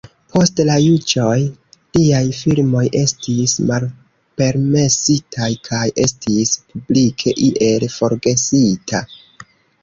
Post la juĝoj, liaj filmoj estis malpermesitaj kaj estis publike iel forgesita.